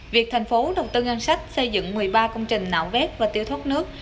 việc thành phố đầu tư ngân sách xây dựng một mươi ba công trình nạo vét và tiêu thoát nước